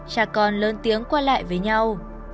cha con lơn tiếng qua lại với nhau